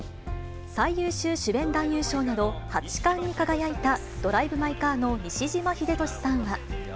最優秀主演男優賞など８冠に輝いたドライブ・マイ・カーの西島秀俊さんは。